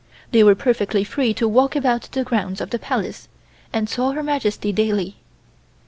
They were perfectly free to walk about the grounds of the Palace, and saw Her Majesty daily.